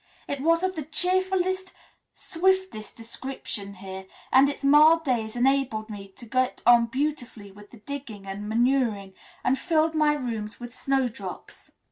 It was of the cheerfullest, swiftest description here, and its mild days enabled me to get on beautifully with the digging and manuring, and filled my rooms with snowdrops.